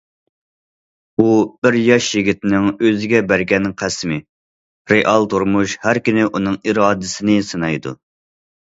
بۇ، بىر ياش يىگىتنىڭ ئۆزىگە بەرگەن قەسىمى، رېئال تۇرمۇش ھەر كۈنى ئۇنىڭ ئىرادىسىنى سىنايدۇ.